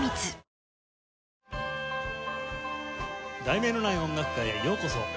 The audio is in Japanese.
『題名のない音楽会』へようこそ。